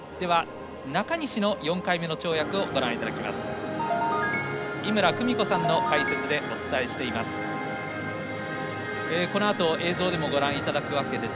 中西の４回目の跳躍をご覧いただきます。